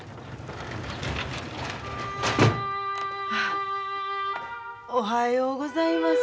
あおはようございます。